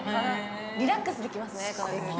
リラックスできますね。